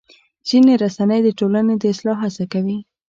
ځینې رسنۍ د ټولنې د اصلاح هڅه کوي.